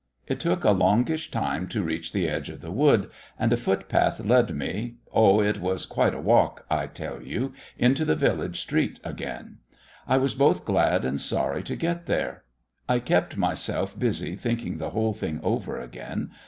It took a longish time to reach the edge of the wood, and a footpath led me oh, it was quite a walk, I tell you into the village street again. I was both glad and sorry to get there. I kept myself busy thinking the whole thing over again.